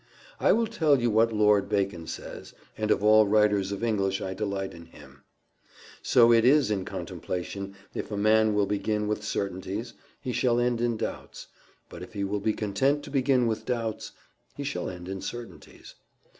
I will tell you what Lord Bacon says, and of all writers of English I delight in him: "So it is in contemplation: if a man will begin with certainties, he shall end in doubts; but if he will be content to begin with doubts, he shall end in certainties."